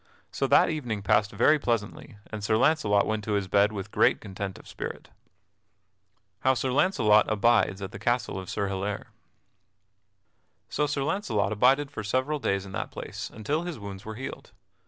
So that evening passed very pleasantly, and Sir Launcelot went to his bed with great content of spirit. [Sidenote: How Sir Launcelot abides at the castle of Sir Hilaire] So Sir Launcelot abided for several days in that place until his wounds were healed.